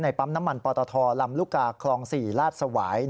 ปั๊มน้ำมันปตทลำลูกกาคลอง๔ราชสวาย